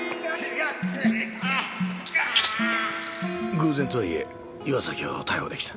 偶然とはいえ岩崎を逮捕できた。